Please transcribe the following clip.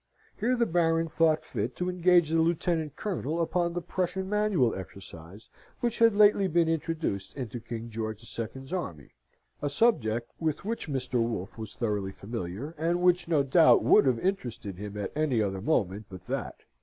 Here the Baron thought fit to engage the Lieutenant Colonel upon the Prussian manual exercise, which had lately been introduced into King George II.'s army a subject with which Mr. Wolfe was thoroughly familiar, and which no doubt would have interested him at any other moment but that.